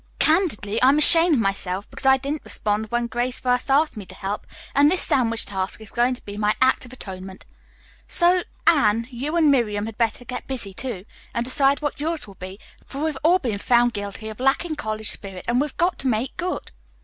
Candidly, I'm ashamed of myself because I didn't respond when Grace first asked me to help, and this sandwich task is going to be my act of atonement. So, Anne, you and Miriam had better get busy, too, and decide what yours will be, for we've all been found guilty of lacking college spirit, and we've got to make good."